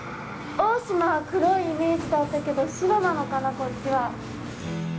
大島は黒いイメージだったけど白なのかな、こっちは。